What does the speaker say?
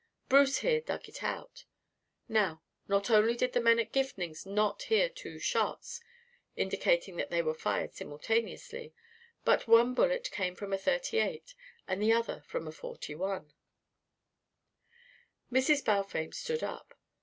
Bruce here dug it out. Now, not only did the men at Gifning's not hear two shots indicating that they were fired simultaneously but one bullet came from a .38 and the other from a .41." Mrs. Balfame stood up.